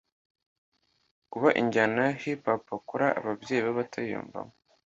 Kuba injyana ya Hip Hop akora ababyeyi be batayiyumvamo